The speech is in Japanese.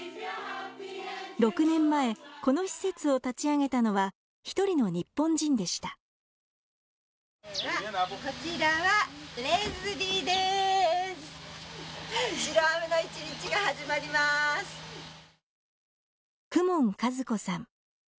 ６年前この施設を立ち上げたのは一人の日本人でした公文和子さん